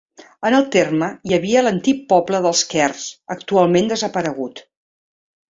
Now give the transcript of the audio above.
En el terme hi havia l'antic poble dels Quers, actualment desaparegut.